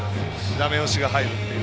ダメ押しが入るっていう。